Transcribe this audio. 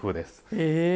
へえ。